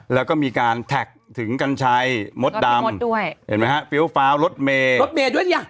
แล้วก็มีการแท็กถึงกันชัยมดดำเพียวเฟ้ารถเมย์